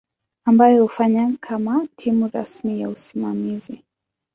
ambayo hufanya kama timu rasmi ya usimamizi.